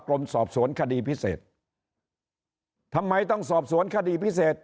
กรมสอบสวนคดีพิเศษทำไมต้องสอบสวนคดีพิเศษ